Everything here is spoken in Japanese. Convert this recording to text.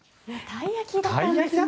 たい焼きだったんですね。